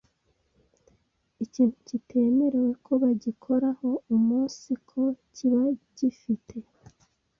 ikintu kitemerewe ko bagikoraho umunsiko kiba gi fi te,